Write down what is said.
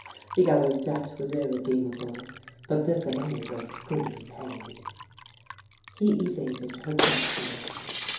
The other debt was irredeemable, but this at any rate could be paid. He evaded her question.